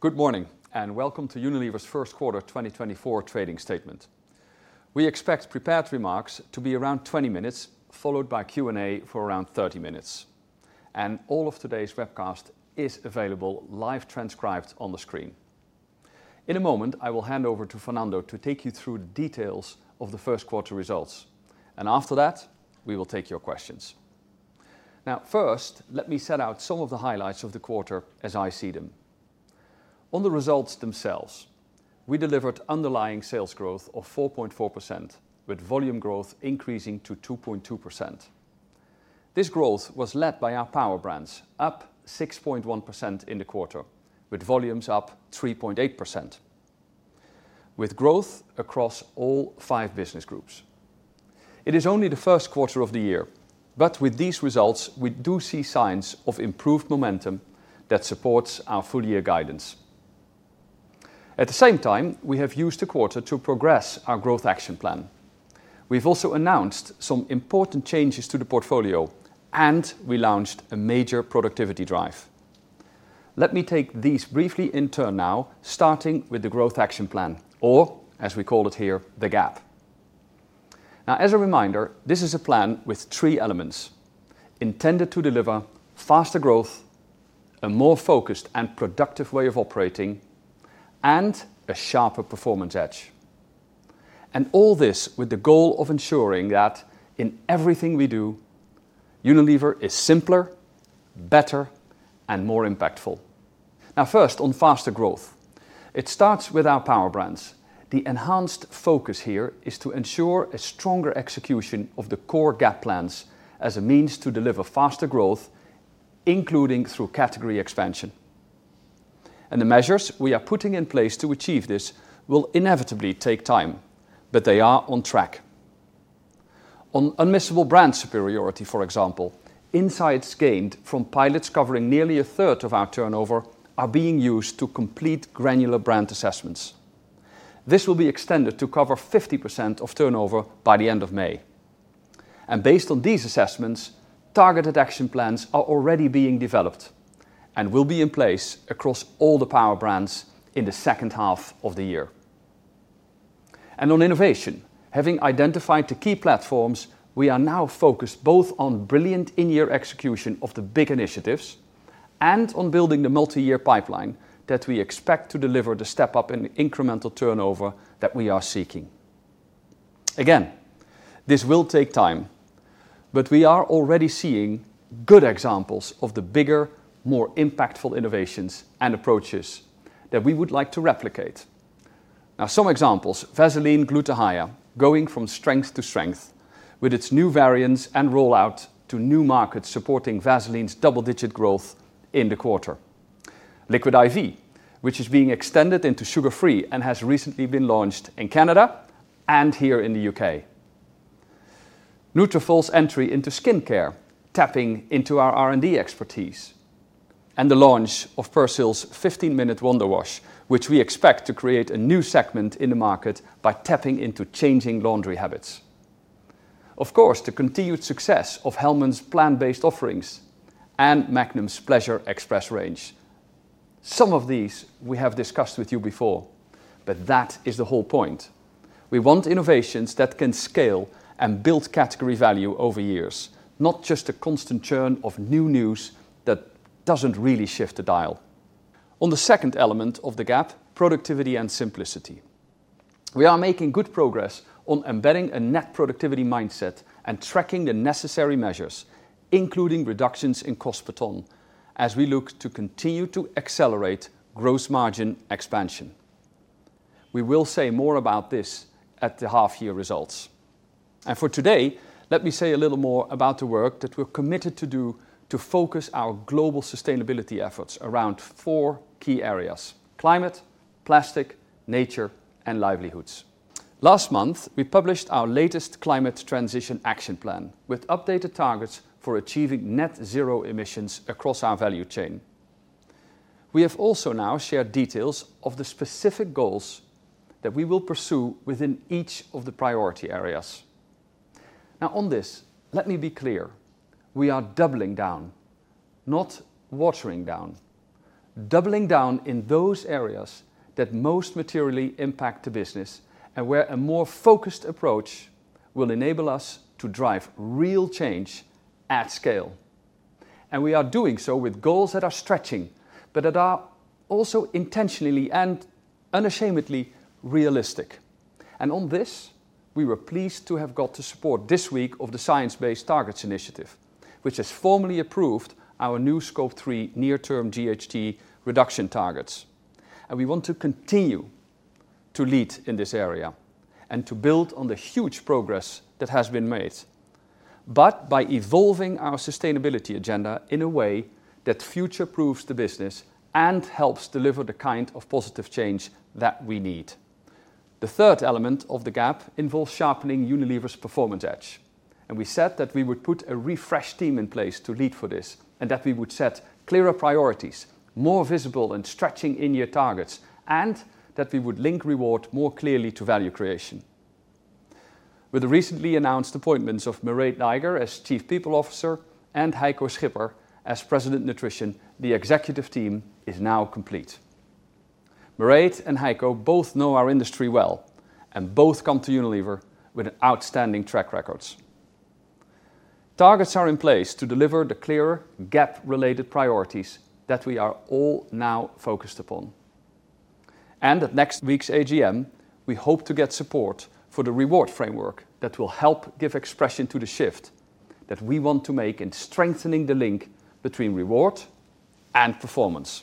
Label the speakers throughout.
Speaker 1: Good morning, and welcome to Unilever's Q1 2024 trading statement. We expect prepared remarks to be around 20 minutes, followed by Q&A for around 30 minutes. All of today's webcast is available live transcribed on the screen. In a moment, I will hand over to Fernando to take you through the details of the Q1 results, and after that, we will take your questions. Now, first, let me set out some of the highlights of the quarter as I see them. On the results themselves, we delivered underlying sales growth of 4.4%, with volume growth increasing to 2.2%. This growth was led by our Power Brands, up 6.1% in the quarter, with volumes up 3.8%, with growth across all five business groups. It is only the Q1 of the year, but with these results, we do see signs of improved momentum that supports our full year guidance. At the same time, we have used the quarter to progress our Growth Action Plan. We've also announced some important changes to the portfolio, and we launched a major productivity drive. Let me take these briefly in turn now, starting with the Growth Action Plan, or as we call it here, the GAP. Now, as a reminder, this is a plan with three elements intended to deliver faster growth, a more focused and productive way of operating, and a sharper performance edge. And all this with the goal of ensuring that in everything we do, Unilever is simpler, better, and more impactful. Now, first, on faster growth, it starts with our power brands. The enhanced focus here is to ensure a stronger execution of the core GAP plans as a means to deliver faster growth, including through category expansion. The measures we are putting in place to achieve this will inevitably take time, but they are on track. On unmissable brand superiority, for example, insights gained from pilots covering nearly a third of our turnover are being used to complete granular brand assessments. This will be extended to cover 50% of turnover by the end of May. Based on these assessments, targeted action plans are already being developed and will be in place across all the power brands in the second half of the year. On innovation, having identified the key platforms, we are now focused both on brilliant in-year execution of the big initiatives and on building the multi-year pipeline that we expect to deliver the step up in incremental turnover that we are seeking. Again, this will take time, but we are already seeing good examples of the bigger, more impactful innovations and approaches that we would like to replicate. Now, some examples, Vaseline Gluta-Hya, going from strength to strength with its new variants and rollout to new markets, supporting Vaseline's double-digit growth in the quarter. Liquid IV, which is being extended into sugar-free and has recently been launched in Canada and here in the UK. Nutrafol's entry into skin care, tapping into our R&D expertise, and the launch of Persil's 15-minute Wonder Wash, which we expect to create a new segment in the market by tapping into changing laundry habits. Of course, the continued success of Hellmann's plant-based offerings and Magnum's Pleasure Express range. Some of these we have discussed with you before, but that is the whole point. We want innovations that can scale and build category value over years, not just a constant churn of new news that doesn't really shift the dial. On the second element of the GAP, productivity and simplicity. We are making good progress on embedding a net productivity mindset and tracking the necessary measures, including reductions in cost per ton, as we look to continue to accelerate gross margin expansion. We will say more about this at the half year results. For today, let me say a little more about the work that we're committed to do to focus our global sustainability efforts around four key areas: climate, plastic, nature, and livelihoods. Last month, we published our latest climate transition action plan, with updated targets for achieving net zero emissions across our value chain. We have also now shared details of the specific goals that we will pursue within each of the priority areas. Now, on this, let me be clear, we are doubling down, not watering down. Doubling down in those areas that most materially impact the business and where a more focused approach will enable us to drive real change at scale. We are doing so with goals that are stretching, but that are also intentionally and unashamedly realistic. On this, we were pleased to have got the support this week of the Science Based Targets initiative, which has formally approved our new Scope 3 near-term GHG reduction targets. We want to continue to lead in this area and to build on the huge progress that has been made, but by evolving our sustainability agenda in a way that future-proofs the business and helps deliver the kind of positive change that we need. The third element of the GAP involves sharpening Unilever's performance edge, and we said that we would put a refreshed team in place to lead for this, and that we would set clearer priorities, more visible and stretching in-year targets, and that we would link reward more clearly to value creation. With the recently announced appointments of Mairéad Nayager as Chief People Officer and Heiko Schipper as President Nutrition, the executive team is now complete. Mairéad and Heiko both know our industry well, and both come to Unilever with outstanding track records. Targets are in place to deliver the clear GAP-related priorities that we are all now focused upon. And at next week's AGM, we hope to get support for the reward framework that will help give expression to the shift that we want to make in strengthening the link between reward and performance.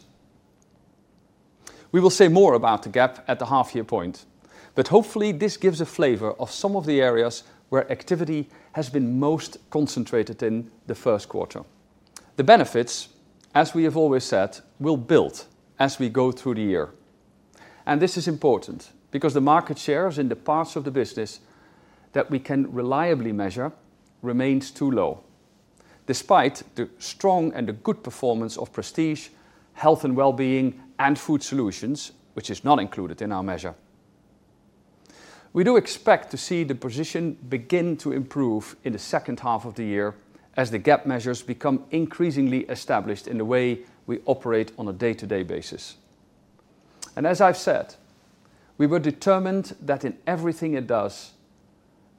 Speaker 1: We will say more about the GAP at the half-year point, but hopefully this gives a flavor of some of the areas where activity has been most concentrated in the Q1. The benefits, as we have always said, will build as we go through the year, and this is important because the market shares in the parts of the business that we can reliably measure remains too low, despite the strong and the good performance of Prestige, Health and Wellbeing, and Food Solutions, which is not included in our measure. We do expect to see the position begin to improve in the second half of the year as the GAP measures become increasingly established in the way we operate on a day-to-day basis. As I've said, we were determined that in everything it does,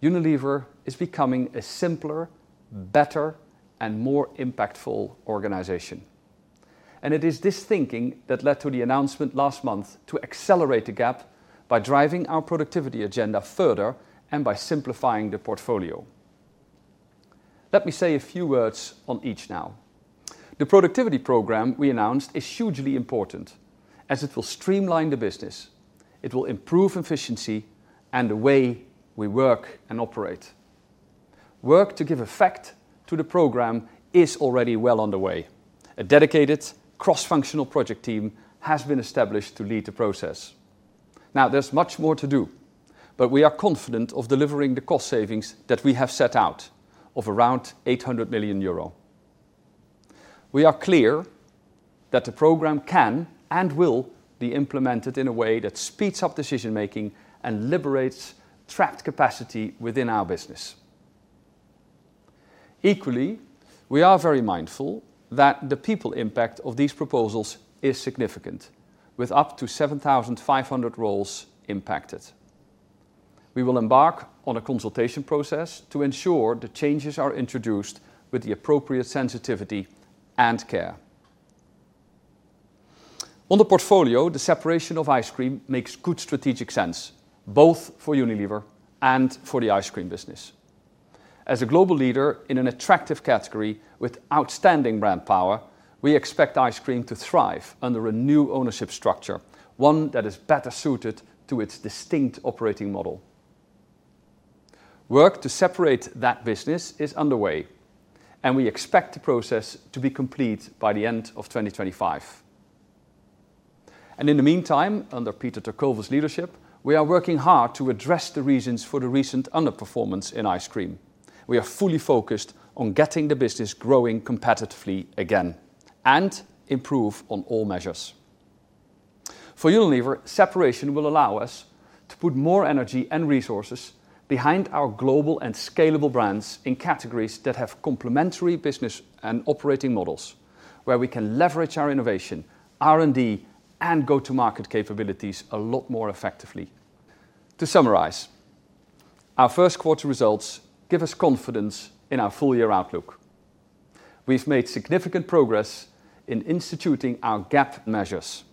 Speaker 1: Unilever is becoming a simpler, better, and more impactful organization. It is this thinking that led to the announcement last month to accelerate the GAP by driving our productivity agenda further and by simplifying the portfolio. Let me say a few words on each now. The productivity program we announced is hugely important, as it will streamline the business. It will improve efficiency and the way we work and operate. Work to give effect to the program is already well underway. A dedicated cross-functional project team has been established to lead the process. Now, there's much more to do, but we are confident of delivering the cost savings that we have set out, of around 800 million euro. We are clear that the program can and will be implemented in a way that speeds up decision making and liberates trapped capacity within our business. Equally, we are very mindful that the people impact of these proposals is significant, with up to 7,500 roles impacted. We will embark on a consultation process to ensure the changes are introduced with the appropriate sensitivity and care. On the portfolio, the separation of ice cream makes good strategic sense, both for Unilever and for the ice cream business. As a global leader in an attractive category with outstanding brand power, we expect ice cream to thrive under a new ownership structure, one that is better suited to its distinct operating model. Work to separate that business is underway, and we expect the process to be complete by the end of 2025. In the meantime, under Peter ter Kulve's leadership, we are working hard to address the reasons for the recent underperformance in ice cream. We are fully focused on getting the business growing competitively again and improve on all measures. For Unilever, separation will allow us to put more energy and resources behind our global and scalable brands in categories that have complementary business and operating models, where we can leverage our innovation, R&D, and go-to-market capabilities a lot more effectively. To summarize, our Q1 results give us confidence in our full year outlook. We've made significant progress in instituting our GAP measures,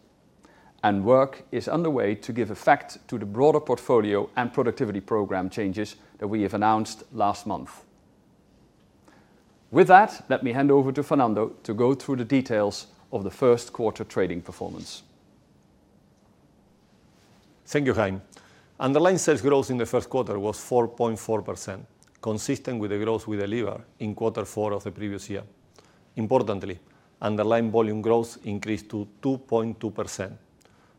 Speaker 1: and work is underway to give effect to the broader portfolio and productivity program changes that we have announced last month. With that, let me hand over to Fernando to go through the details of the Q1 trading performance.
Speaker 2: Thank you, Hein. Underlying sales growth in the Q1 was 4.4%, consistent with the growth we delivered in quarter four of the previous year. Importantly, underlying volume growth increased to 2.2%.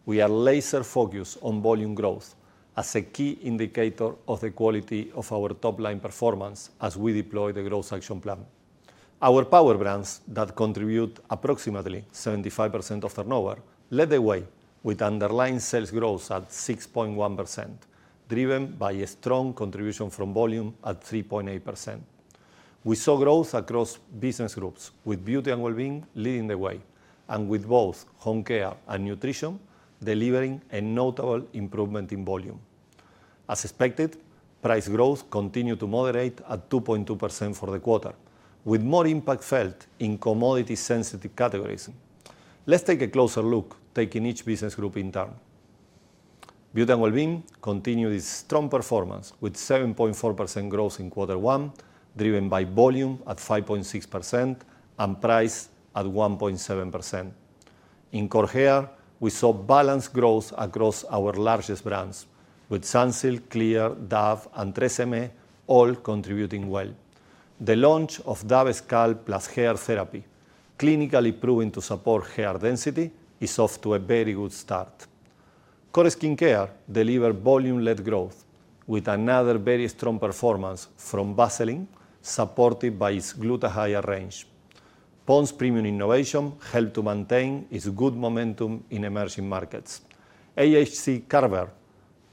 Speaker 2: We are laser focused on volume growth as a key indicator of the quality of our top line performance as we deploy the Growth Action Plan. Our power brands that contribute approximately 75% of turnover led the way with underlying sales growth at 6.1%, driven by a strong contribution from volume at 3.8%. We saw growth across business groups with Beauty & Wellbeing leading the way, and with both Home Care and Nutrition delivering a notable improvement in volume. As expected, price growth continued to moderate at 2.2% for the quarter, with more impact felt in commodity-sensitive categories. Let's take a closer look, taking each business group in turn. Beauty & Wellbeing continued its strong performance with 7.4% growth in quarter one, driven by volume at 5.6% and price at 1.7%. In Core Hair, we saw balanced growth across our largest brands, with Sunsilk, Clear, Dove, and TRESemmé all contributing well. The launch of Dove Scalp + Hair Therapy, clinically proven to support hair density, is off to a very good start. Core Skincare delivered volume-led growth with another very strong performance from Vaseline, supported by its Gluta-Hya range. Pond's premium innovation helped to maintain its good momentum in emerging markets. AHC Carver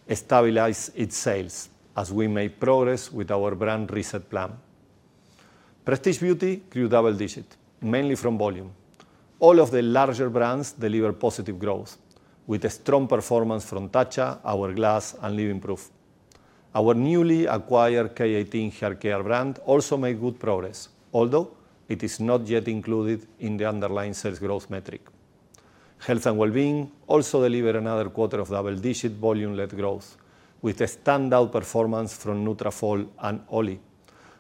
Speaker 2: stabilized its sales as we made progress with our brand reset plan. Prestige Beauty grew double-digit, mainly from volume. All of the larger brands delivered positive growth, with a strong performance from Tatcha, Hourglass, and Living Proof. Our newly acquired K18 haircare brand also made good progress, although it is not yet included in the underlying sales growth metric. Health and Wellbeing also delivered another quarter of double-digit volume-led growth, with a standout performance from Nutrafol and Olly.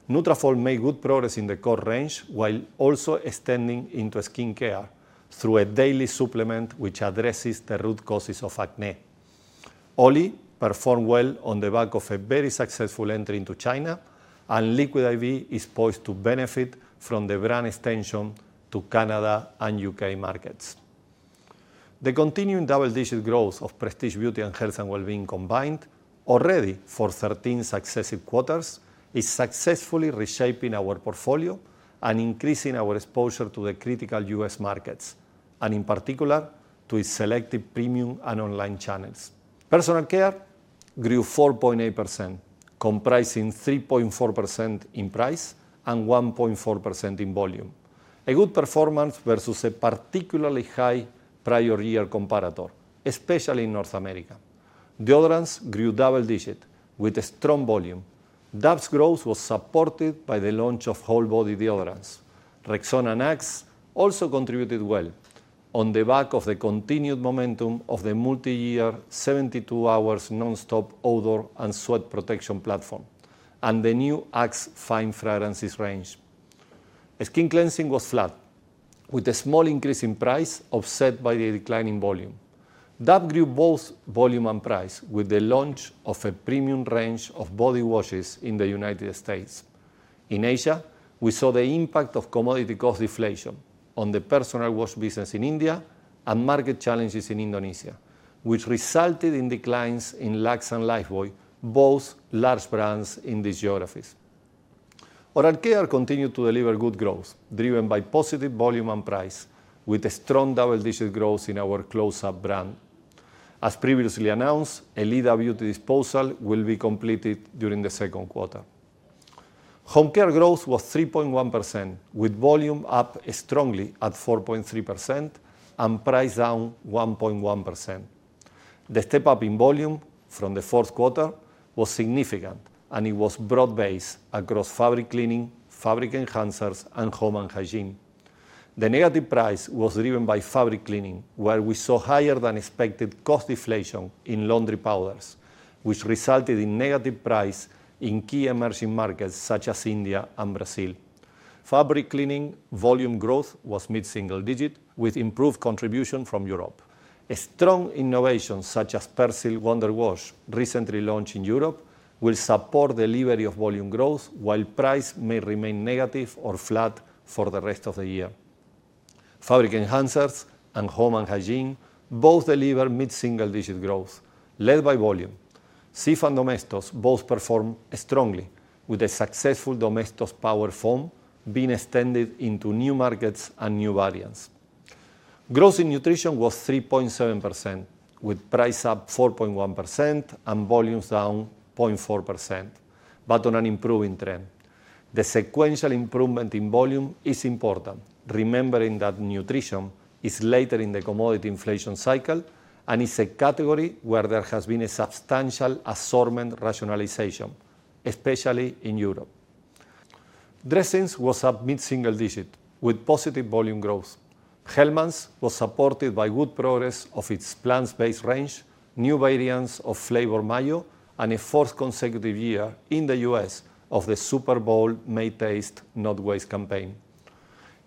Speaker 2: Nutrafol made good progress in the core range, while also extending into skincare through a daily supplement which addresses the root causes of acne. Olly performed well on the back of a very successful entry into China, and Liquid IV is poised to benefit from the brand extension to Canada and UK markets. The continuing double-digit growth of Prestige Beauty and Health and Wellbeing combined, already for 13 successive quarters, is successfully reshaping our portfolio and increasing our exposure to the critical U.S. markets, and in particular, to its selective premium and online channels. Personal Care grew 4.8%, comprising 3.4% in price and 1.4% in volume, a good performance versus a particularly high prior year comparator, especially in North America. Deodorants grew double-digit, with a strong volume. Dove's growth was supported by the launch of whole body deodorants. Rexona and Axe also contributed well on the back of the continued momentum of the multi-year 72-Hour Non-Stop Odor and Sweat Protection platform, and the new Axe Fine Fragrances range. Skin cleansing was flat, with a small increase in price offset by the declining volume. Dove grew both volume and price, with the launch of a premium range of body washes in the United States. In Asia, we saw the impact of commodity cost deflation on the personal wash business in India and market challenges in Indonesia, which resulted in declines in Lux and Lifebuoy, both large brands in these geographies. Oral care continued to deliver good growth, driven by positive volume and price, with a strong double-digit growth in our Close Up brand. As previously announced, an Elida disposal will be completed during the Q2. Home care growth was 3.1%, with volume up strongly at 4.3% and price down 1.1%. The step up in volume from the Q4 was significant, and it was broad-based across fabric cleaning, fabric enhancers, and home and hygiene. The negative price was driven by fabric cleaning, where we saw higher than expected cost deflation in laundry powders, which resulted in negative price in key emerging markets such as India and Brazil. Fabric cleaning volume growth was mid-single-digit, with improved contribution from Europe. A strong innovation, such as Persil Wonder Wash, recently launched in Europe, will support delivery of volume growth, while price may remain negative or flat for the rest of the year. Fabric enhancers and home and hygiene both delivered mid-single-digit growth, led by volume. Cif and Domestos both performed strongly, with the successful Domestos Power Foam being extended into new markets and new variants. Growth in nutrition was 3.7%, with price up 4.1% and volumes down 0.4%, but on an improving trend. The sequential improvement in volume is important, remembering that nutrition is later in the commodity inflation cycle and is a category where there has been a substantial assortment rationalization, especially in Europe. Dressings was up mid-single-digit, with positive volume growth. Hellmann's was supported by good progress of its plant-based range, new variants of flavored mayo, and a fourth consecutive year in the U.S. of the Super Bowl Make Taste Not Waste campaign.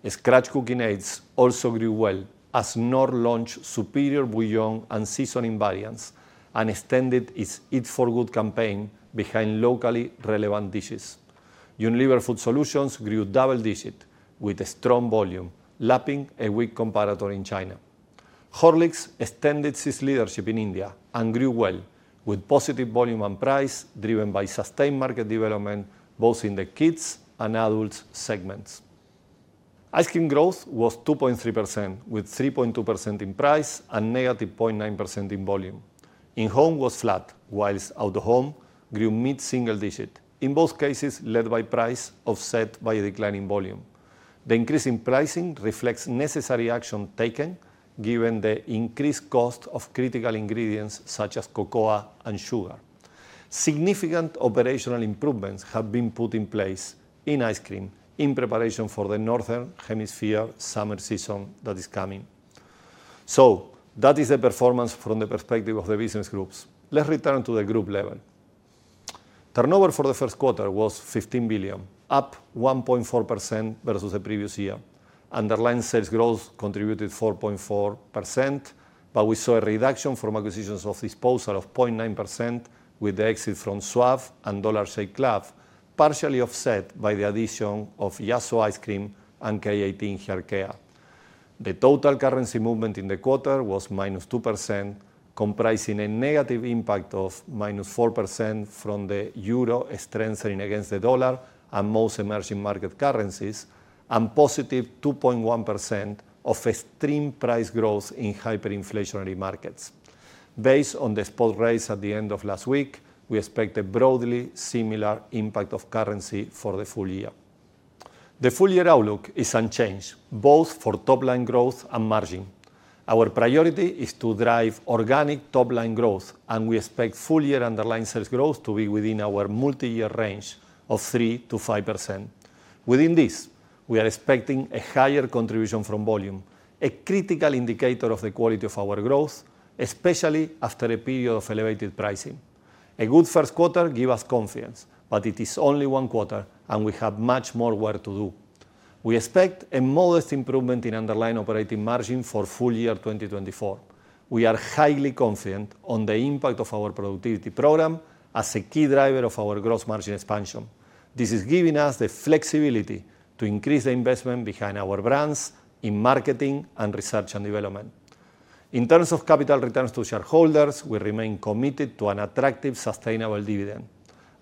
Speaker 2: Scratch cooking aids also grew well, as Knorr launched superior bouillon and seasoning variants and extended its Eat for Good campaign behind locally relevant dishes. Unilever Food Solutions grew double-digit with a strong volume, lapping a weak comparator in China. Horlicks extended its leadership in India and grew well, with positive volume and price driven by sustained market development, both in the kids and adults segments. Ice cream growth was 2.3%, with 3.2% in price and -0.9% in volume. In-home was flat, while out-of-home grew mid-single digit, in both cases, led by price offset by a decline in volume. The increase in pricing reflects necessary action taken given the increased cost of critical ingredients such as cocoa and sugar. Significant operational improvements have been put in place in ice cream in preparation for the northern hemisphere summer season that is coming. So that is the performance from the perspective of the business groups. Let's return to the group level. Turnover for the Q1 was 15 billion, up 1.4% versus the previous year. Underlying sales growth contributed 4.4%, but we saw a reduction from acquisitions of disposal of 0.9%, with the exit from Suave and Dollar Shave Club, partially offset by the addition of Yasso Ice Cream and K18 haircare. The total currency movement in the quarter was -2%, comprising a negative impact of -4% from the euro strengthening against the dollar and most emerging market currencies, and positive 2.1% of extreme price growth in hyperinflationary markets. Based on the spot rates at the end of last week, we expect a broadly similar impact of currency for the full year. The full year outlook is unchanged, both for top line growth and margin. Our priority is to drive organic top line growth, and we expect full year underlying sales growth to be within our multi-year range of 3%-5%. Within this, we are expecting a higher contribution from volume, a critical indicator of the quality of our growth, especially after a period of elevated pricing. A good Q1 give us confidence, but it is only one quarter, and we have much more work to do. We expect a modest improvement in underlying operating margin for full year 2024. We are highly confident on the impact of our productivity program as a key driver of our gross margin expansion. This is giving us the flexibility to increase the investment behind our brands in marketing and research and development. In terms of capital returns to shareholders, we remain committed to an attractive, sustainable dividend.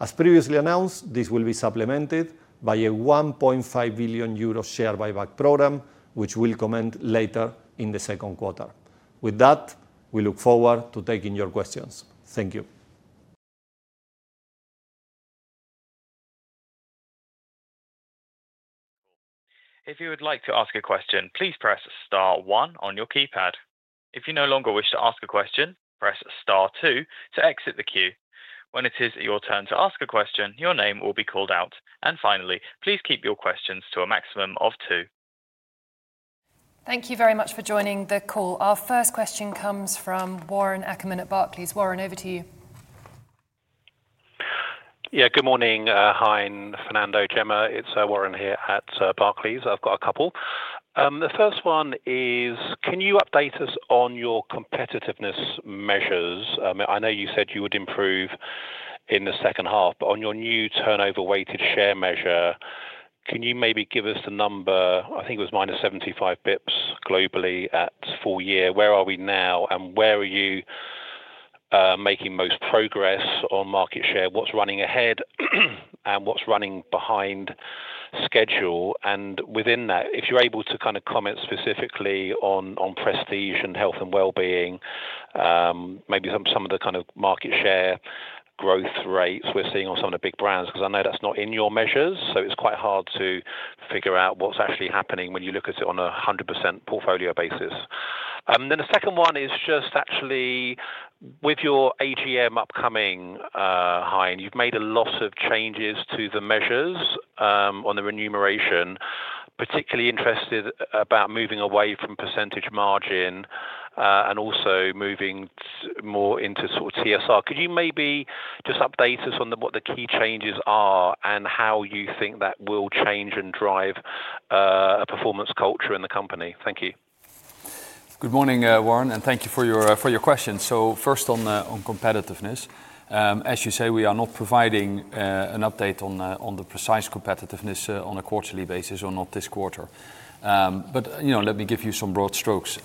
Speaker 2: As previously announced, this will be supplemented by a 1.5 billion euro share buyback program, which will commence later in the Q2. With that, we look forward to taking your questions. Thank you.
Speaker 3: If you would like to ask a question, please press star one on your keypad. If you no longer wish to ask a question, press star two to exit the queue. When it is your turn to ask a question, your name will be called out, and finally, please keep your questions to a maximum of two.
Speaker 4: Thank you very much for joining the call. Our first question comes from Warren Ackerman at Barclays. Warren, over to you.
Speaker 5: Yeah, good morning, hi, Fernando, Jemma. It's Warren here at Barclays. I've got a couple. The first one is, can you update us on your competitiveness measures? I know you said you would improve in the second half, but on your new turnover weighted share measure, can you maybe give us the number? I think it was minus 75 basis points globally at full year. Where are we now, and where are you making most progress on market share? What's running ahead, and what's running behind schedule? Within that, if you're able to kinda comment specifically on Prestige and Health and Wellbeing, maybe some of the kind of market share growth rates we're seeing on some of the big brands, 'cause I know that's not in your measures, so it's quite hard to figure out what's actually happening when you look at it on a 100% portfolio basis. Then the second one is just actually with your AGM upcoming, Hein, you've made a lot of changes to the measures on the remuneration. Particularly interested about moving away from percentage margin, and also moving more into sort of TSR. Could you maybe just update us on what the key changes are, and how you think that will change and drive a performance culture in the company? Thank you.
Speaker 1: Good morning, Warren, and thank you for your, for your questions. So first on, on competitiveness. As you say, we are not providing, an update on the, on the precise competitiveness, on a quarterly basis or not this quarter. But, you know, let me give you some broad strokes.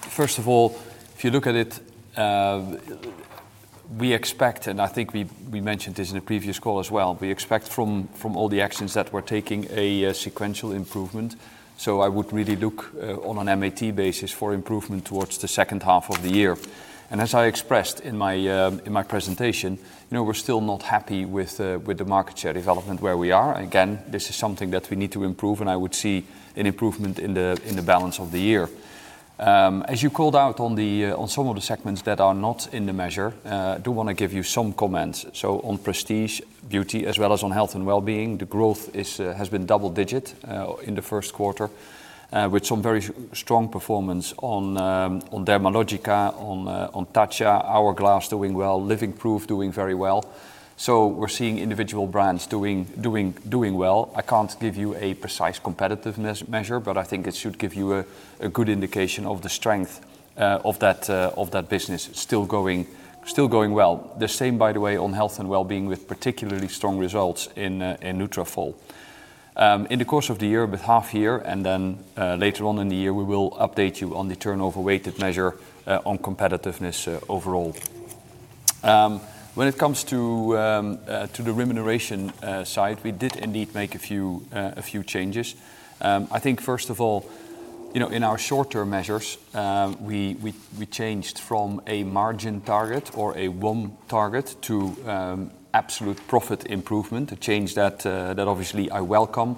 Speaker 1: First of all, if you look at it, we expect, and I think we, we mentioned this in a previous call as well, we expect from, from all the actions that we're taking, a, sequential improvement. So I would really look, on an MAT basis for improvement towards the second half of the year. And as I expressed in my, in my presentation, you know, we're still not happy with the, with the market share development where we are. Again, this is something that we need to improve, and I would see an improvement in the, in the balance of the year. As you called out on the, on some of the segments that are not in the measure, I do wanna give you some comments. So on Prestige beauty, as well as on Health and Wellbeing, the growth is, has been double digit, in the Q1, with some very strong performance on, on Dermalogica, on, on Tatcha. Hourglass, doing well, Living Proof, doing very well. So we're seeing individual brands doing well. I can't give you a precise competitiveness measure, but I think it should give you a good indication of the strength, of that business, still going well. The same, by the way, on Health and Wellbeing, with particularly strong results in Nutrafol. In the course of the year, with half year, and then later on in the year, we will update you on the turnover weighted measure on competitiveness overall. When it comes to the remuneration side, we did indeed make a few changes. I think first of all, you know, in our short-term measures, we changed from a margin target or a UOM target to absolute profit improvement. A change that obviously I welcome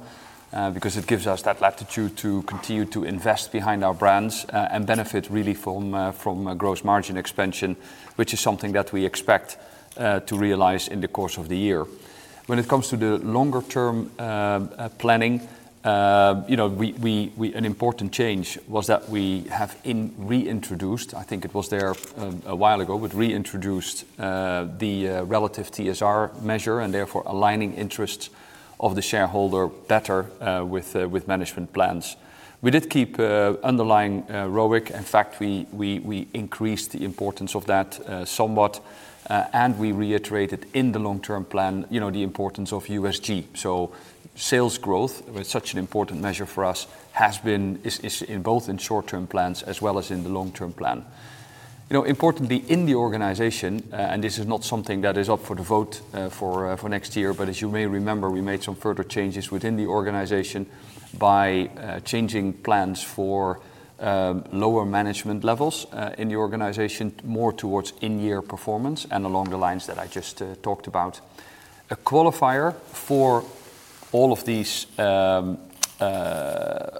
Speaker 1: because it gives us that latitude to continue to invest behind our brands and benefit really from a gross margin expansion, which is something that we expect to realize in the course of the year. When it comes to the longer term, planning, you know, an important change was that we have reintroduced, I think it was there a while ago, but reintroduced the relative TSR measure, and therefore aligning interests of the shareholder better with management plans. We did keep underlying ROIC. In fact, we increased the importance of that somewhat. And we reiterated in the long-term plan, you know, the importance of USG. So sales growth, with such an important measure for us, is in both short-term plans as well as in the long-term plan. You know, importantly, in the organization, and this is not something that is up for the vote for next year, but as you may remember, we made some further changes within the organization by changing plans for lower management levels in the organization, more towards in-year performance and along the lines that I just talked about. A qualifier for all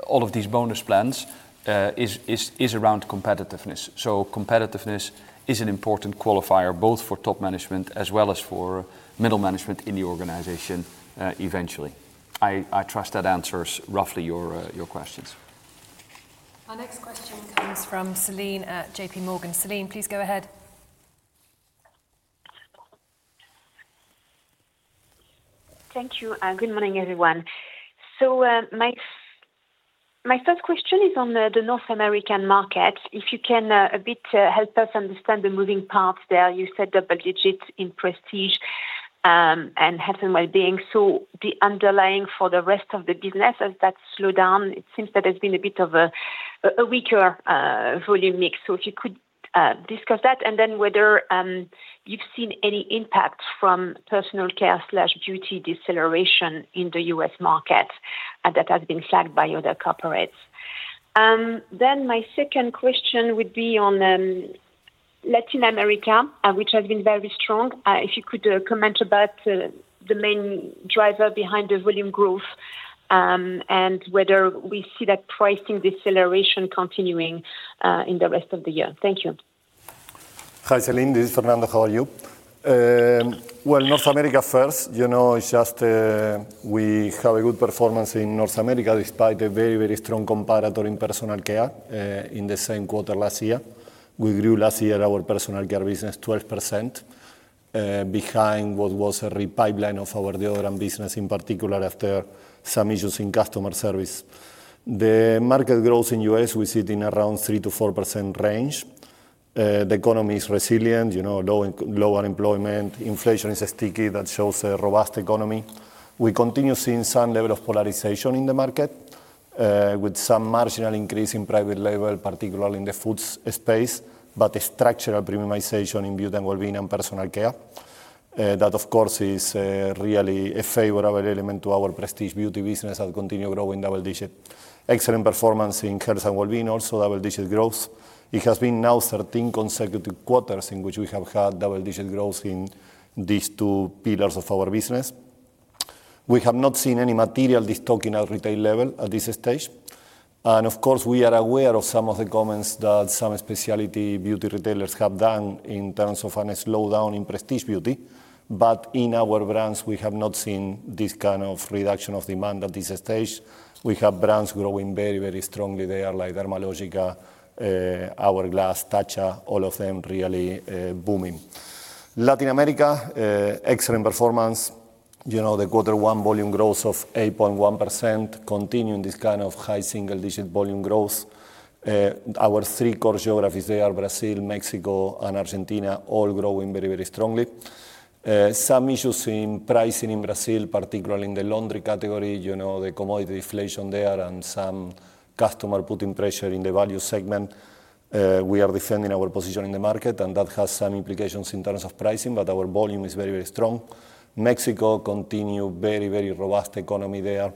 Speaker 1: of these bonus plans is around competitiveness. So competitiveness is an important qualifier, both for top management as well as for middle management in the organization, eventually. I trust that answers roughly your questions.
Speaker 4: Our next question comes from Celine at J.P. Morgan. Celine, please go ahead.
Speaker 6: Thank you, and good morning, everyone. My first question is on the North American market. If you can, a bit, help us understand the moving parts there. You said double digits in Prestige, and Health and Wellbeing, so the underlying for the rest of the business, has that slowed down? It seems that there's been a bit of a weaker volume mix. If you could discuss that, and then whether you've seen any impact from Personal Care/beauty deceleration in the U.S. market, that has been flagged by other corporates. My second question would be on Latin America, which has been very strong. If you could comment about the main driver behind the volume growth, and whether we see that pricing deceleration continuing in the rest of the year? Thank you.
Speaker 2: Hi, Celine, this is Fernando. How are you? Well, North America first, you know, it's just we have a good performance in North America, despite a very, very strong comparator in Personal Care in the same quarter last year. We grew last year, our Personal Care business, 12%, behind what was a re-pipeline of our deodorant business, in particular after some issues in customer service. The market growth in U.S., we sit in around 3%-4% range. The economy is resilient, you know, low unemployment, inflation is sticky, that shows a robust economy. We continue seeing some level of polarization in the market, with some marginal increase in private label, particularly in the foods space, but a structural premiumization in beauty and wellbeing and Personal Care. That, of course, is really a favorable element to our Prestige beauty business and continue growing double-digit. Excellent performance in Health and Wellbeing, also double-digit growth. It has been now 13 consecutive quarters in which we have had double-digit growth in these two pillars of our business. We have not seen any material de-stocking at retail level at this stage, and of course, we are aware of some of the comments that some specialty beauty retailers have done in terms of a slowdown in Prestige beauty, but in our brands, we have not seen this kind of reduction of demand at this stage. We have brands growing very, very strongly there, like Dermalogica, Hourglass, Tatcha, all of them really booming. Latin America, excellent performance. You know, the quarter one volume growth of 8.1% continuing this kind of high single-digit volume growth. Our three core geographies there, Brazil, Mexico, and Argentina, all growing very, very strongly. Some issues in pricing in Brazil, particularly in the laundry category, you know, the commodity deflation there, and some customer putting pressure in the value segment. We are defending our position in the market, and that has some implications in terms of pricing, but our volume is very, very strong. Mexico continue very, very robust economy there.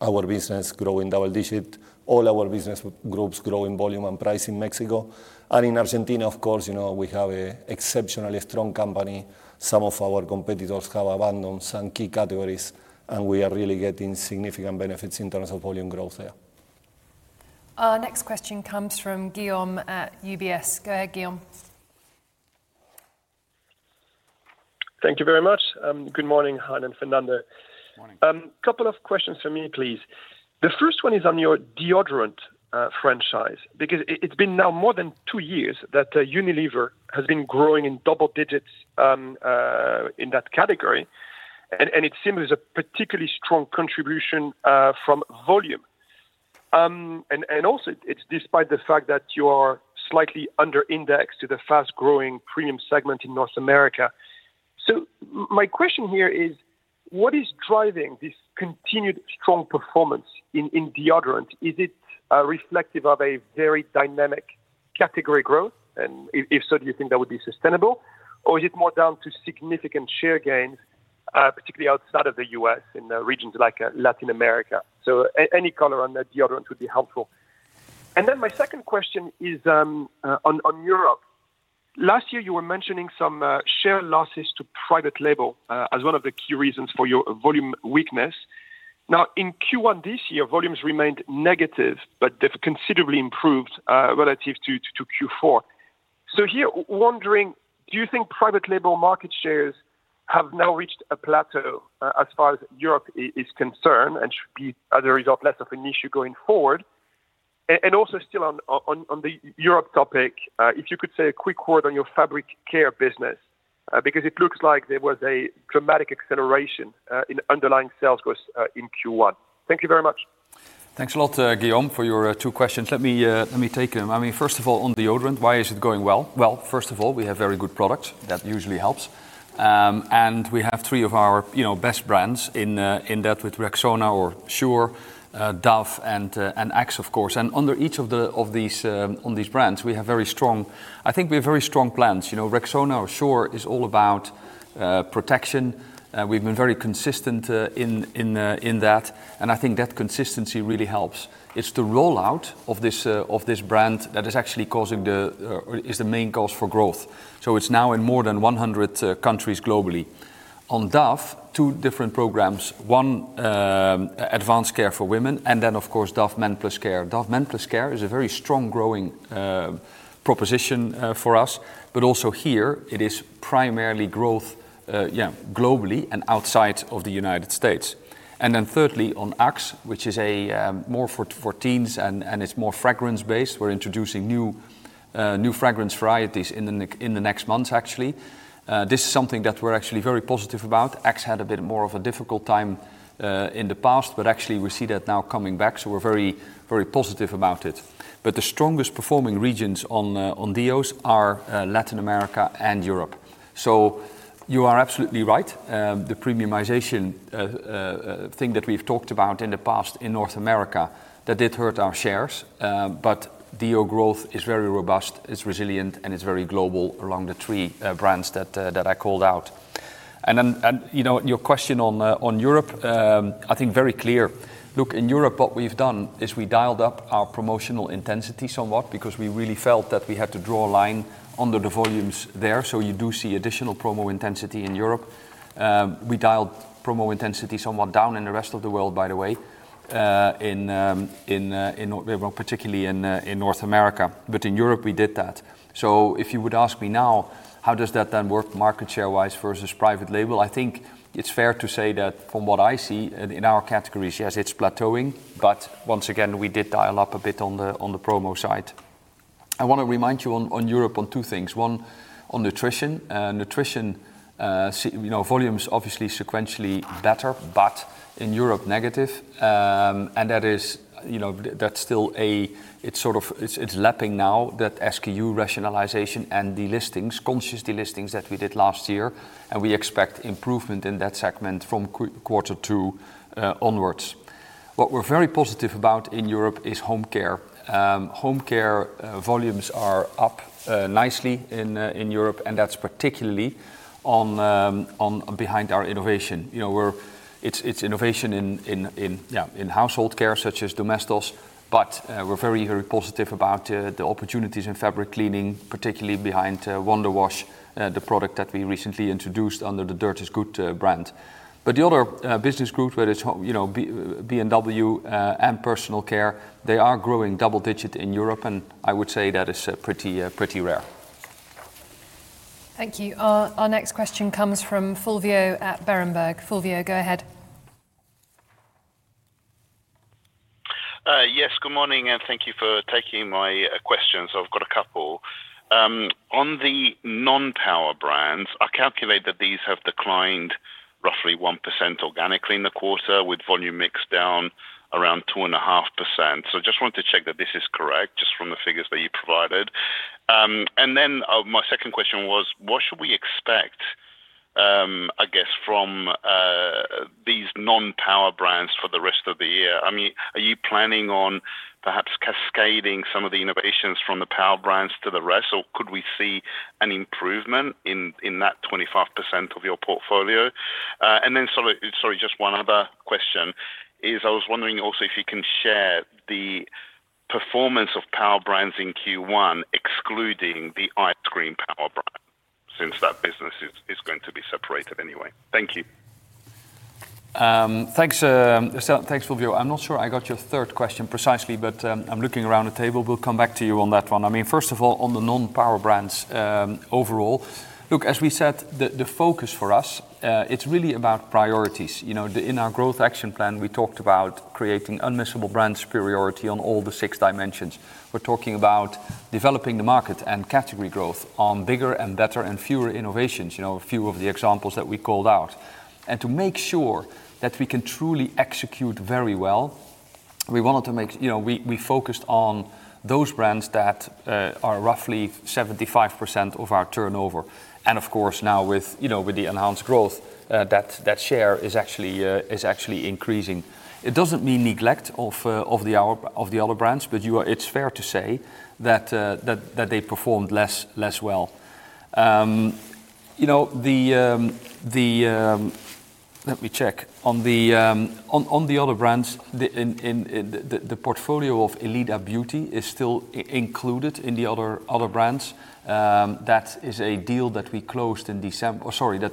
Speaker 2: Our business growing double digit. All our business groups growing volume and price in Mexico. And in Argentina, of course, you know, we have an exceptionally strong company. Some of our competitors have abandoned some key categories, and we are really getting significant benefits in terms of volume growth there.
Speaker 4: Our next question comes from Guillaume at UBS. Go ahead, Guillaume.
Speaker 7: Thank you very much. Good morning, Hein and Fernando.
Speaker 2: Good morning.
Speaker 7: Couple of questions from me, please. The first one is on your deodorant franchise, because it's been now more than two years that Unilever has been growing in double digits in that category, and it seems there's a particularly strong contribution from volume. Also, it's despite the fact that you are slightly under-indexed to the fast-growing premium segment in North America. So my question here is, what is driving this continued strong performance in deodorant? Is it reflective of a very dynamic category growth? And if so, do you think that would be sustainable? Or is it more down to significant share gains, particularly outside of the US in regions like Latin America? So any color on the deodorant would be helpful. And then my second question is, on Europe. Last year, you were mentioning some share losses to private label, as one of the key reasons for your volume weakness. Now, in Q1 this year, volumes remained negative, but they've considerably improved, relative to Q4. So here, wondering, do you think private label market shares have now reached a plateau, as far as Europe is concerned, and should be, as a result, less of an issue going forward? And also still on the Europe topic, if you could say a quick word on your fabric care business, because it looks like there was a dramatic acceleration in underlying sales growth in Q1. Thank you very much.
Speaker 1: Thanks a lot, Guillaume, for your two questions. Let me, let me take them. I mean, first of all, on deodorant, why is it going well? Well, first of all, we have very good products. That usually helps. And we have three of our, you know, best brands in, in that with Rexona or Sure, Dove, and, and Axe, of course. And under each of the, of these, on these brands, we have very strong... I think we have very strong plans. You know, Rexona or Sure is all about, protection, we've been very consistent, in, in, in that, and I think that consistency really helps. It's the rollout of this, of this brand that is actually causing the, is the main cause for growth, so it's now in more than 100 countries globally. On Dove, two different programs: one, advanced care for women, and then of course, Dove Men+Care. Dove Men+Care is a very strong growing proposition for us, but also here, it is primarily growth, yeah, globally and outside of the United States. And then thirdly, on Axe, which is a more for teens, and it's more fragrance-based. We're introducing new fragrance varieties in the next months, actually. This is something that we're actually very positive about. Axe had a bit more of a difficult time in the past, but actually we see that now coming back, so we're very, very positive about it. But the strongest performing regions on deos are Latin America and Europe. So you are absolutely right, the premiumization thing that we've talked about in the past in North America, that did hurt our shares. But deo growth is very robust, it's resilient, and it's very global around the three brands that I called out. And then, you know, your question on Europe, I think very clear. Look, in Europe, what we've done is we dialed up our promotional intensity somewhat because we really felt that we had to draw a line under the volumes there, so you do see additional promo intensity in Europe. We dialed promo intensity somewhat down in the rest of the world, by the way, well, particularly in North America, but in Europe we did that. So if you would ask me now, how does that then work market share-wise versus private label? I think it's fair to say that from what I see in, in our categories, yes, it's plateauing, but once again, we did dial up a bit on the, on the promo side. I want to remind you on, on Europe, on two things. One, on nutrition. You know, nutrition, you know, volume is obviously sequentially better, but in Europe, negative. And that is, you know, that's still a... It's sort of, it's, it's lapping now, that SKU rationalization and delistings, conscious delistings that we did last year, and we expect improvement in that segment from quarter two, onwards. What we're very positive about in Europe is home care. Home care volumes are up nicely in Europe, and that's particularly behind our innovation. You know, we're. It's innovation in household care, such as Domestos, but we're very, very positive about the opportunities in fabric cleaning, particularly behind Wonder Wash, the product that we recently introduced under the Dirt Is Good brand. But the other business groups, whether it's you know, B&W, and Personal Care, they are growing double-digit in Europe, and I would say that is pretty rare.
Speaker 4: Thank you. Our next question comes from Fulvio at Berenberg. Fulvio, go ahead.
Speaker 8: Yes, good morning, and thank you for taking my questions. I've got a couple. On the non-power brands, I calculate that these have declined roughly 1% organically in the quarter, with volume mix down around 2.5%, so just wanted to check that this is correct, just from the figures that you provided. My second question was, what should we expect, I guess from these non-power brands for the rest of the year? I mean, are you planning on perhaps cascading some of the innovations from the power brands to the rest, or could we see an improvement in that 25% of your portfolio? Just one other question: I was wondering also if you can share the performance of power brands in Q1, excluding the ice cream power brand, since that business is going to be separated anyway. Thank you. Thanks, Fulvio. I'm not sure I got your third question precisely, but I'm looking around the table. We'll come back to you on that one. I mean, first of all, on the non-power brands, overall, look, as we said, the focus for us, it's really about priorities. You know, in our Growth Action Plan, we talked about creating unmissable brand superiority on all the six dimensions. We're talking about developing the market and category growth on bigger and better and fewer innovations, you know, a few of the examples that we called out. And to make sure that we can truly execute very well, we wanted to make... You know, we focused on those brands that are roughly 75% of our turnover. And of course, now with, you know, with the enhanced growth, that share is actually increasing. It doesn't mean neglect of the other brands, but it's fair to say that they performed less well. You know. Let me check. On the other brands, the portfolio of Elida Beauty is still included in the other brands. That is a deal that we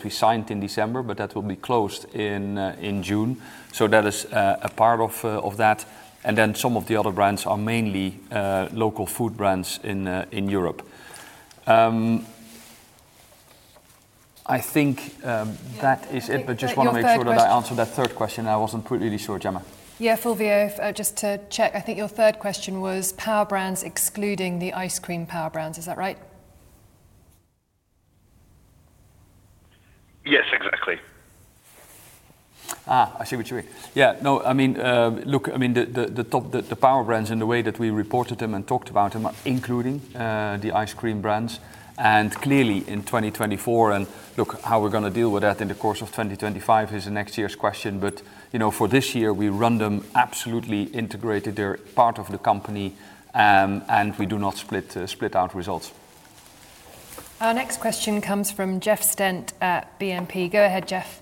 Speaker 8: signed in December, but that will be closed in June. So that is a part of that, and then some of the other brands are mainly local food brands in Europe. I think that is it. I think your third question. But just want to make sure that I answered that third question. I wasn't really sure, Jemma.
Speaker 4: Yeah, Fulvio, just to check, I think your third question was Power brands excluding the ice cream Power brands. Is that right?...
Speaker 8: Yes, exactly.
Speaker 1: Ah, I see what you mean. Yeah, no, I mean, look, I mean, the top power brands and the way that we reported them and talked about them, including the ice cream brands. And clearly, in 2024, and look, how we're gonna deal with that in the course of 2025 is next year's question. But, you know, for this year we run them absolutely integrated. They're part of the company, and we do not split out results.
Speaker 4: Our next question comes from Jeff Stent at BNP. Go ahead, Jeff.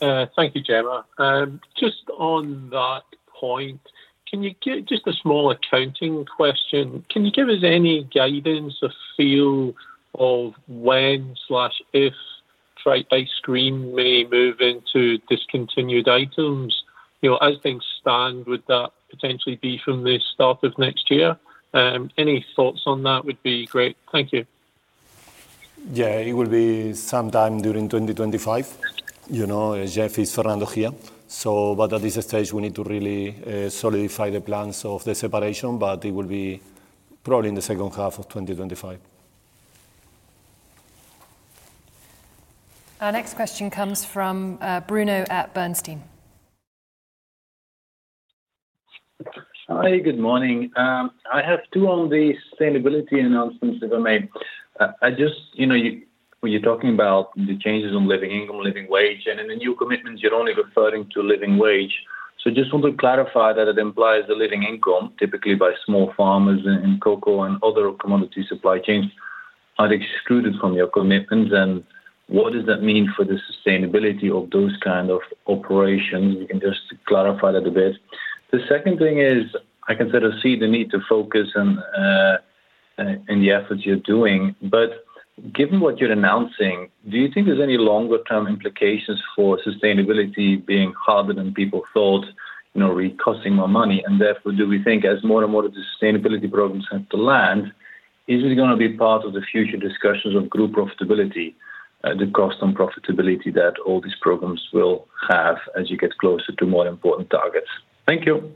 Speaker 9: Thank you, Jemma. Just on that point, can you give... Just a small accounting question, can you give us any guidance or feel of when/if ice cream may move into discontinued items? You know, as things stand, would that potentially be from the start of next year? Any thoughts on that would be great. Thank you.
Speaker 2: Yeah, it will be sometime during 2025. You know, Jeff, it's Fernando here. So but at this stage, we need to really solidify the plans of the separation, but it will be probably in the second half of 2025.
Speaker 4: Our next question comes from, Bruno at Bernstein.
Speaker 10: Hi, good morning. I have two on the sustainability announcements that were made. I just, you know, you, when you're talking about the changes on living income, living wage, and in the new commitments, you're only referring to living wage. So just want to clarify that it implies the living income, typically by small farmers in cocoa and other commodity supply chains, are excluded from your commitments, and what does that mean for the sustainability of those kind of operations? If you can just clarify that a bit. The second thing is, I can sort of see the need to focus on, in the efforts you're doing, but given what you're announcing, do you think there's any longer term implications for sustainability being harder than people thought? You know, re... Costing more money, and therefore, do we think as more and more of the sustainability programs have to land, is it gonna be part of the future discussions of group profitability, the cost on profitability that all these programs will have as you get closer to more important targets? Thank you.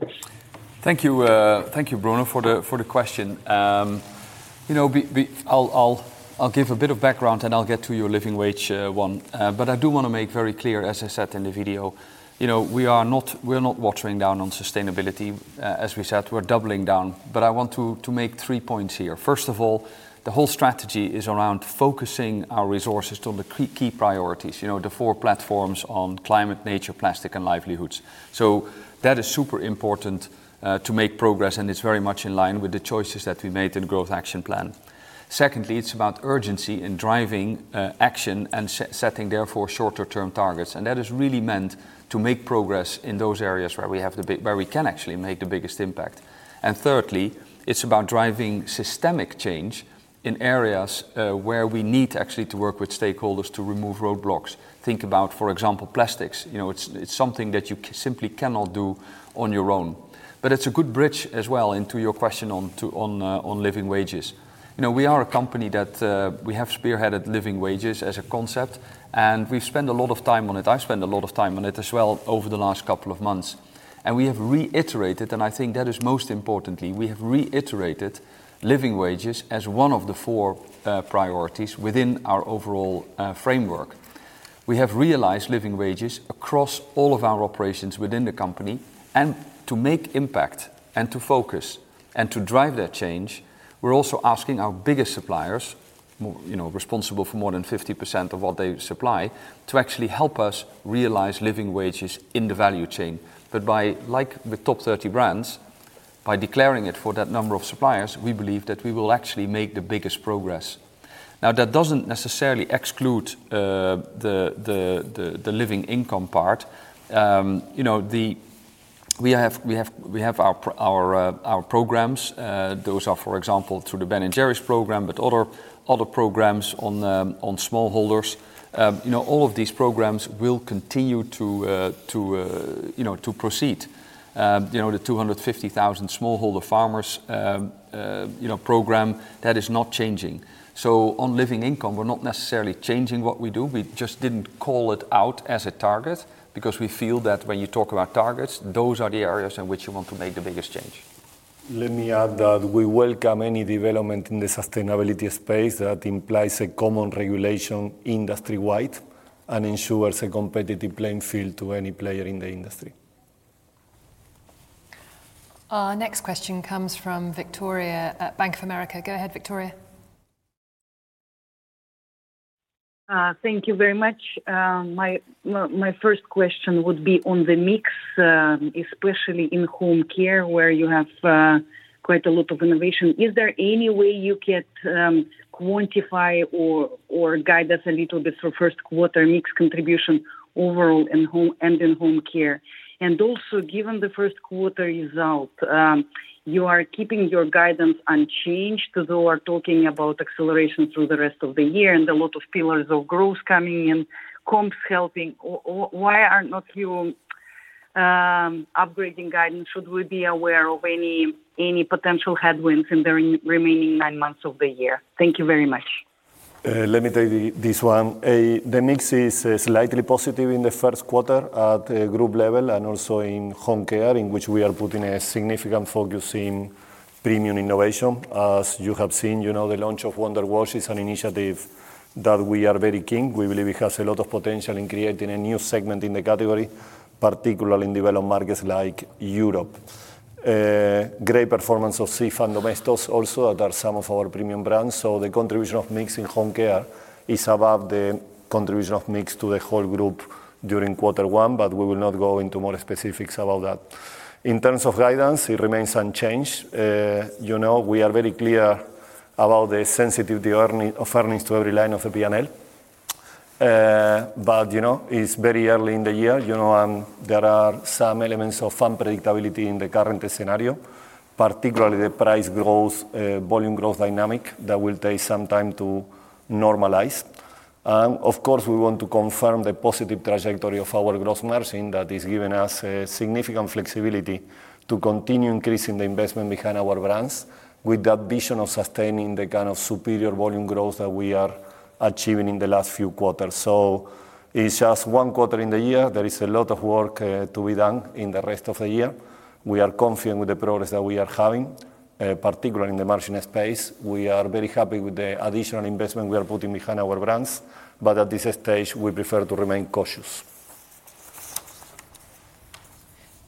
Speaker 1: Thank you, thank you, Bruno, for the question. You know, I'll give a bit of background, and I'll get to your living wage one. But I do wanna make very clear, as I said in the video, you know, we are not, we're not watering down on sustainability. As we said, we're doubling down. But I want to make three points here. First of all, the whole strategy is around focusing our resources on the key, key priorities, you know, the four platforms on climate, nature, plastic, and livelihoods. So that is super important to make progress, and it's very much in line with the choices that we made in the Growth Action Plan. Secondly, it's about urgency in driving action and setting therefore shorter term targets. That is really meant to make progress in those areas where we can actually make the biggest impact. Thirdly, it's about driving systemic change in areas where we need actually to work with stakeholders to remove roadblocks. Think about, for example, plastics. You know, it's, it's something that you simply cannot do on your own. But it's a good bridge as well into your question on to, on living wages. You know, we are a company that we have spearheaded living wages as a concept, and we've spent a lot of time on it. I've spent a lot of time on it as well over the last couple of months. We have reiterated, and I think that is most importantly, we have reiterated living wages as one of the 4, priorities within our overall framework. We have realized living wages across all of our operations within the company, and to make impact and to focus and to drive that change, we're also asking our biggest suppliers, you know, responsible for more than 50% of what they supply, to actually help us realize living wages in the value chain. But by, like with top 30 brands, by declaring it for that number of suppliers, we believe that we will actually make the biggest progress. Now, that doesn't necessarily exclude the living income part. You know, the... We have our programs. Those are, for example, through the Ben & Jerry's program, but other, other programs on, on smallholders. You know, all of these programs will continue to, you know, to proceed. You know, the 250,000 smallholder farmers, you know, program, that is not changing. So on living income, we're not necessarily changing what we do. We just didn't call it out as a target because we feel that when you talk about targets, those are the areas in which you want to make the biggest change.
Speaker 2: Let me add that we welcome any development in the sustainability space that implies a common regulation industry-wide and ensures a competitive playing field to any player in the industry.
Speaker 4: Our next question comes from Victoria at Bank of America. Go ahead, Victoria.
Speaker 11: Thank you very much. My first question would be on the mix, especially in home care, where you have quite a lot of innovation. Is there any way you can quantify or guide us a little bit for Q1 mix contribution overall in home and in home care? And also, given the first quarter result, you are keeping your guidance unchanged, though you are talking about acceleration through the rest of the year and a lot of pillars of growth coming in, comps helping. Or why are not you upgrading guidance? Should we be aware of any potential headwinds in the remaining nine months of the year? Thank you very much.
Speaker 2: Let me take this one. The mix is slightly positive in the Q1 at the group level and also in home care, in which we are putting a significant focus in premium innovation. As you have seen, you know, the launch of Wonder Wash is an initiative that we are very keen. We believe it has a lot of potential in creating a new segment in the category, particularly in developed markets like Europe. Great performance of Cif and Domestos also are some of our premium brands, so the contribution of mix in Home Care is above the contribution of mix to the whole group during quarter one, but we will not go into more specifics about that. In terms of guidance, it remains unchanged. You know, we are very clear about the sensitivity of earning, of earnings to every line of the P&L. But, you know, it's very early in the year, you know, and there are some elements of unpredictability in the current scenario, particularly the price growth, volume growth dynamic, that will take some time to normalize. And, of course, we want to confirm the positive trajectory of our gross margin that is giving us, significant flexibility to continue increasing the investment behind our brands, with the ambition of sustaining the kind of superior volume growth that we are achieving in the last few quarters. So it's just one quarter in the year. There is a lot of work, to be done in the rest of the year. We are confident with the progress that we are having, particularly in the margin space. We are very happy with the additional investment we are putting behind our brands, but at this stage, we prefer to remain cautious.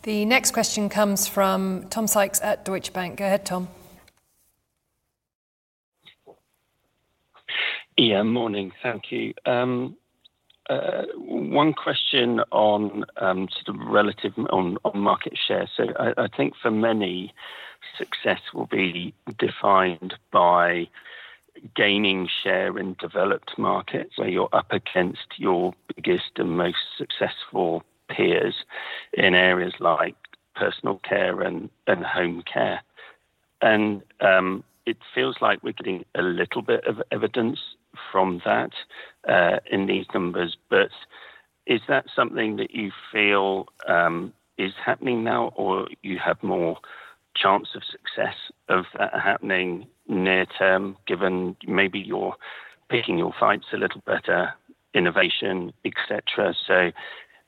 Speaker 4: The next question comes from Tom Sykes at Deutsche Bank. Go ahead, Tom.
Speaker 12: Yeah, morning. Thank you. One question on, sort of relative on, on market share. So I, I think for many, success will be defined by gaining share in developed markets, where you're up against your biggest and most successful peers in areas like Personal Care and, and home care. And, it feels like we're getting a little bit of evidence from that, in these numbers. But is that something that you feel, is happening now, or you have more chance of success of that happening near term, given maybe you're picking your fights a little better, innovation, et cetera? So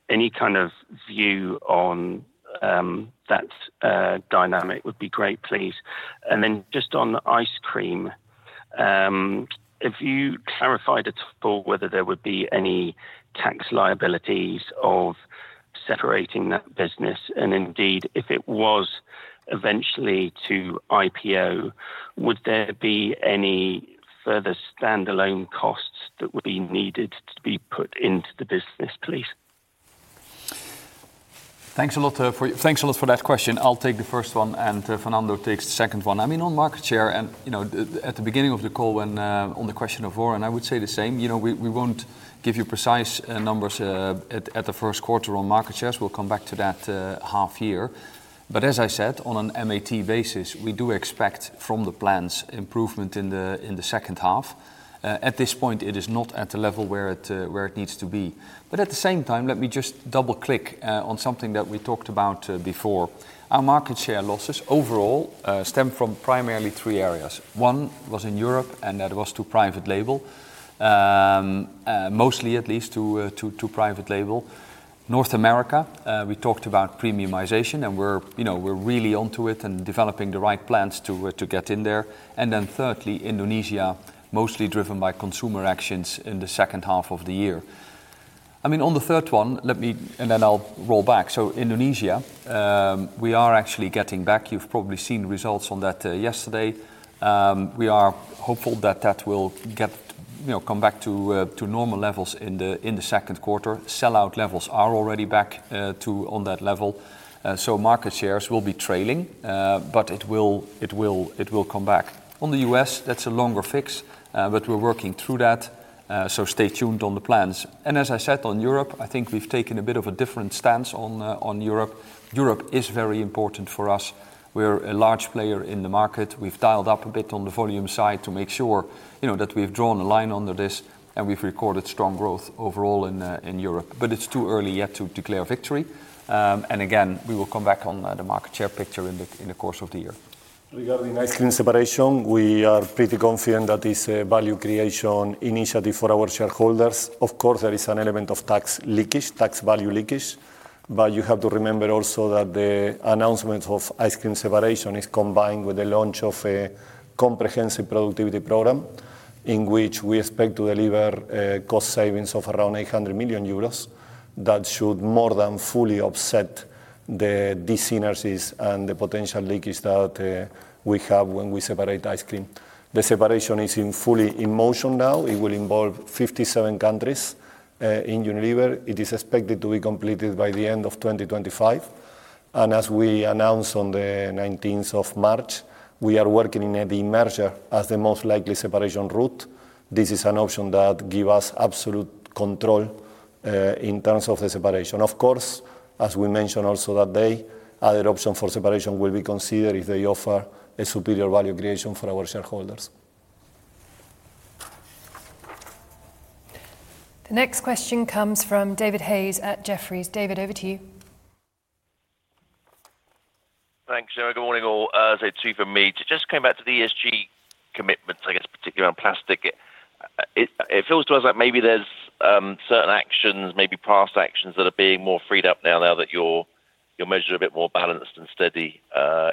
Speaker 12: any kind of view on, that, dynamic would be great, please. Just on ice cream, if you clarified at all whether there would be any tax liabilities of separating that business, and indeed, if it was eventually to IPO, would there be any further standalone costs that would be needed to be put into the business, please?
Speaker 1: Thanks a lot for, thanks a lot for that question. I'll take the first one, and Fernando takes the second one. I mean, on market share, and, you know, at, at the beginning of the call when, on the question of share, and I would say the same, you know, we, we won't give you precise, numbers at, at the Q1 on market shares. We'll come back to that, half year. But as I said, on an MAT basis, we do expect from the plans, improvement in the, in the second half. At this point, it is not at the level where it, where it needs to be. But at the same time, let me just double-click, on something that we talked about, before. Our market share losses overall, stem from primarily three areas. One was in Europe, and that was to private label. Mostly at least to private label. North America, we talked about premiumization, and we're, you know, we're really onto it and developing the right plans to get in there. And then thirdly, Indonesia, mostly driven by consumer actions in the second half of the year. I mean, on the third one, let me... and then I'll roll back. So Indonesia, we are actually getting back. You've probably seen the results on that yesterday. We are hopeful that that will get, you know, come back to normal levels in the Q2. Sell-out levels are already back to that level, so market shares will be trailing, but it will come back. On the US, that's a longer fix, but we're working through that, so stay tuned on the plans. And as I said, on Europe, I think we've taken a bit of a different stance on, on Europe. Europe is very important for us. We're a large player in the market. We've dialed up a bit on the volume side to make sure, you know, that we've drawn a line under this, and we've recorded strong growth overall in, in Europe. But it's too early yet to declare victory, and again, we will come back on, the market share picture in the, in the course of the year.
Speaker 2: Regarding ice cream separation, we are pretty confident that is a value creation initiative for our shareholders. Of course, there is an element of tax leakage, tax value leakage, but you have to remember also that the announcement of ice cream separation is combined with the launch of a comprehensive productivity program, in which we expect to deliver, cost savings of around 800 million euros. That should more than fully offset the dis-synergies and the potential leakage that, we have when we separate ice cream. The separation is in fully in motion now. It will involve 57 countries, in Unilever. It is expected to be completed by the end of 2025, and as we announced on the 19th of March, we are working in the demerger as the most likely separation route. This is an option that give us absolute control, in terms of the separation. Of course, as we mentioned also that day, other option for separation will be considered if they offer a superior value creation for our shareholders.
Speaker 4: The next question comes from David Hayes at Jefferies. David, over to you.
Speaker 13: Thanks, Sarah. Good morning, all. So two from me. To just come back to the ESG, particularly around plastic, it feels to us like maybe there's certain actions, maybe past actions, that are being more freed up now, now that your measures are a bit more balanced and steady,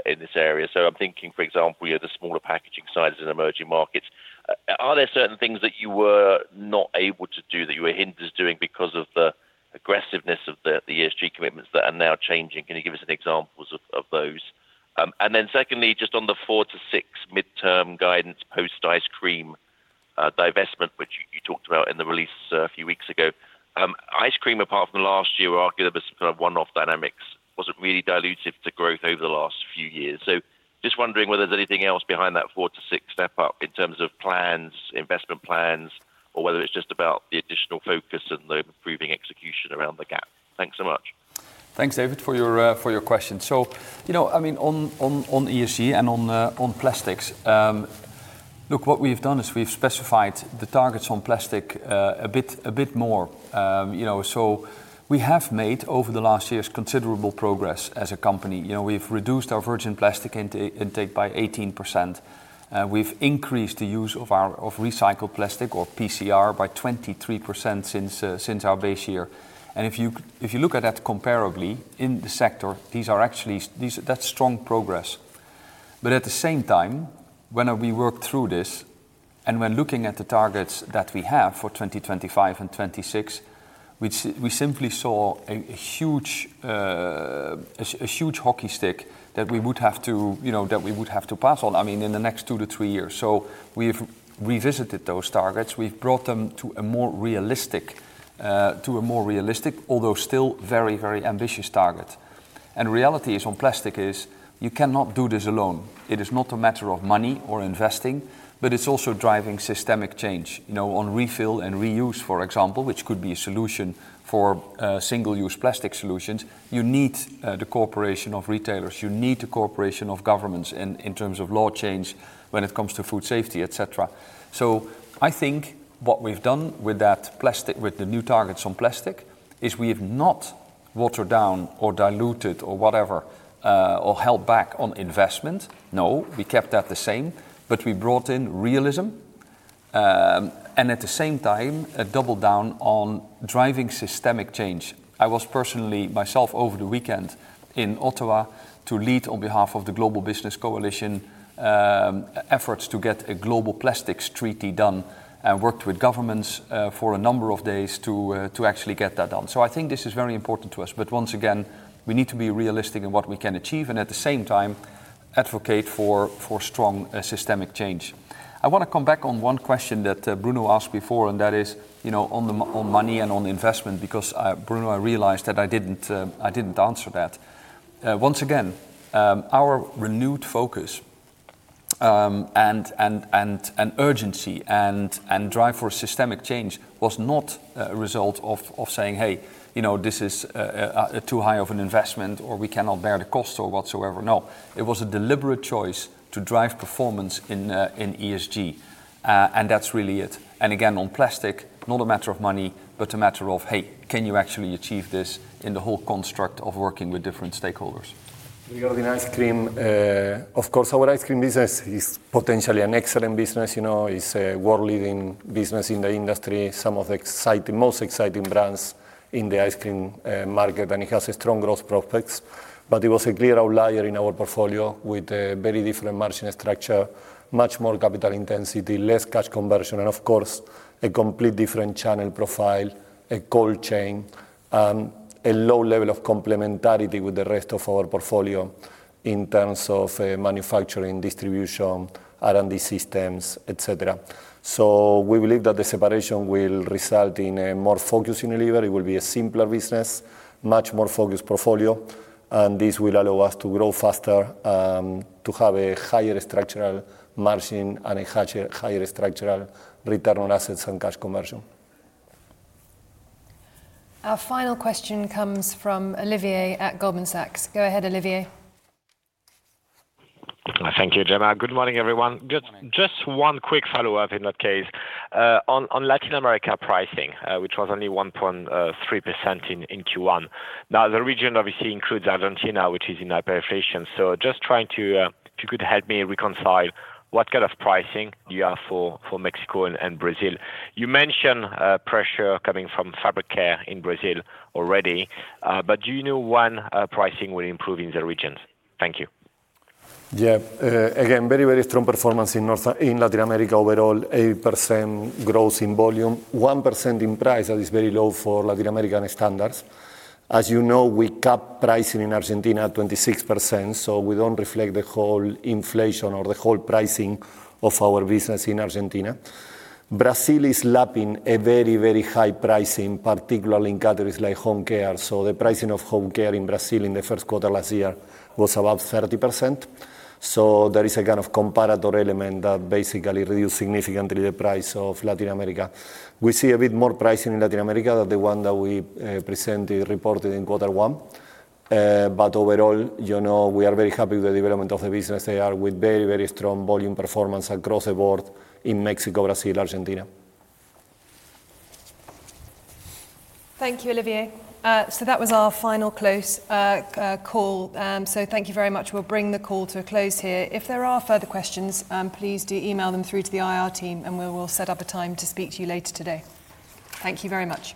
Speaker 13: in this area. So I'm thinking, for example, you know, the smaller packaging sizes in emerging markets. Are there certain things that you were not able to do, that you were hindered doing, because of the aggressiveness of the ESG commitments that are now changing? Can you give us any examples of those? And then secondly, just on the 4-6 midterm guidance post ice cream divestment, which you talked about in the release a few weeks ago. Ice cream, apart from last year, arguably was kind of one-off dynamics, wasn't really dilutive to growth over the last few years. So just wondering whether there's anything else behind that 4-6 step-up in terms of plans, investment plans, or whether it's just about the additional focus and the improving execution around the GAP. Thanks so much.
Speaker 1: Thanks, David, for your question. So, you know, I mean, on ESG and on plastics, look, what we've done is we've specified the targets on plastic a bit more. You know, so we have made, over the last years, considerable progress as a company. You know, we've reduced our virgin plastic intake by 18%, and we've increased the use of our of recycled plastic, or PCR, by 23% since our base year. And if you look at that comparably in the sector, these are actually. That's strong progress. At the same time, when we worked through this, and when looking at the targets that we have for 2025 and 2026, we simply saw a huge hockey stick that we would have to, you know, that we would have to pass on, I mean, in the next two to three years. We've revisited those targets. We've brought them to a more realistic, although still very, very ambitious target. Reality is, on plastic is, you cannot do this alone. It is not a matter of money or investing, but it's also driving systemic change. You know, on refill and reuse, for example, which could be a solution for, single-use plastic solutions, you need, the cooperation of retailers, you need the cooperation of governments in terms of law change when it comes to food safety, et cetera. So I think what we've done with that plastic, with the new targets on plastic, is we have not watered down or diluted or whatever, or held back on investment. No, we kept that the same, but we brought in realism, and at the same time, a double down on driving systemic change. I was personally, myself, over the weekend, in Ottawa, to lead on behalf of the Global Business Coalition, efforts to get a global plastics treaty done, and worked with governments, for a number of days to actually get that done. So I think this is very important to us. But once again, we need to be realistic in what we can achieve and at the same time advocate for strong systemic change. I wanna come back on one question that Bruno asked before, and that is, you know, on money and on investment, because, Bruno, I realized that I didn't answer that. Once again, our renewed focus and urgency and drive for systemic change was not a result of saying, "Hey, you know, this is too high of an investment," or, "We cannot bear the cost," or whatsoever. No, it was a deliberate choice to drive performance in ESG, and that's really it. And again, on plastic, not a matter of money, but a matter of, "Hey, can you actually achieve this in the whole construct of working with different stakeholders?
Speaker 2: Regarding ice cream, of course, our ice cream business is potentially an excellent business. You know, it's a world-leading business in the industry, some of the exciting, most exciting brands in the ice cream market, and it has a strong growth prospects. But it was a clear outlier in our portfolio, with a very different margin structure, much more capital intensity, less cash conversion, and of course, a complete different channel profile, a cold chain, a low level of complementarity with the rest of our portfolio in terms of manufacturing, distribution, R&D systems, et cetera. So we believe that the separation will result in a more focusing delivery. It will be a simpler business, much more focused portfolio, and this will allow us to grow faster, to have a higher structural margin and a higher structural return on assets and cash conversion.
Speaker 4: Our final question comes from Olivier at Goldman Sachs. Go ahead, Olivier.
Speaker 14: Thank you, Jemma. Good morning, everyone.
Speaker 1: Good morning.
Speaker 14: Just one quick follow-up in that case. On Latin America pricing, which was only 1.3% in Q1. Now, the region obviously includes Argentina, which is in hyperinflation, so just trying to... If you could help me reconcile what kind of pricing you have for Mexico and Brazil. You mentioned pressure coming from fabric care in Brazil already, but do you know when pricing will improve in the regions? Thank you.
Speaker 2: Yeah. Again, very, very strong performance in Latin America overall, 8% growth in volume, 1% in price. That is very low for Latin American standards. As you know, we cap pricing in Argentina at 26%, so we don't reflect the whole inflation or the whole pricing of our business in Argentina. Brazil is lapping a very, very high pricing, particularly in categories like home care. So the pricing of home care in Brazil in the Q1 last year was above 30%, so there is a kind of comparator element that basically reduce significantly the price of Latin America. We see a bit more pricing in Latin America than the one that we presented, reported in quarter one. But overall, you know, we are very happy with the development of the business there, with very, very strong volume performance across the board in Mexico, Brazil, Argentina.
Speaker 4: Thank you, Olivier. So that was our final close call. So thank you very much. We'll bring the call to a close here. If there are further questions, please do email them through to the IR team, and we will set up a time to speak to you later today. Thank you very much.